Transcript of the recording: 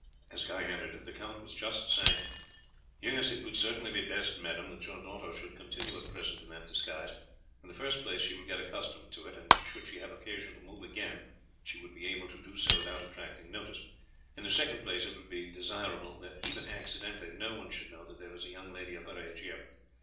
As Guy entered the count was just saying: "Yes, it would certainly be best, madame, that your daughter should continue at present in that disguise. In the first place, she will get accustomed to it, and should she have occasion to move again she would be able to do so without attracting notice; in the second place, it would be desirable that, even accidentally, no one should know that there is a young lady of her age here.